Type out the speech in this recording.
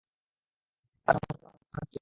তাঁর সংস্পর্শে অন্তর প্রশান্ত হত।